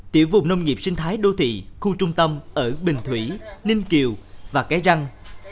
tiểu vùng nông nghiệp sinh thái đô thị khu trung tâm ở bình thủy ninh kiều và cái răng